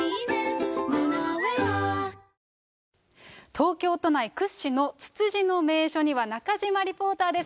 東京都内屈指のつつじの名所には、中島リポーターです。